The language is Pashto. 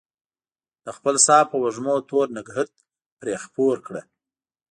د خپل ساه په وږمو تور نګهت پرې خپور کړه